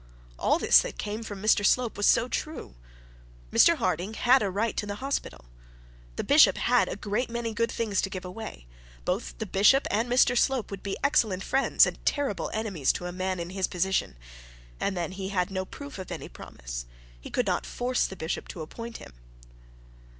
All this that came from Mr Slope was so true. Mr Harding had a right to the hospital. The bishop had a great many good things to give away. Both the bishop and Mr Slope would be excellent friends and terrible enemies to a man in his position. And then he had no proof of any promise; he could not force the bishop to appoint him.